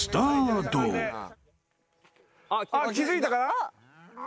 あっ気付いたか？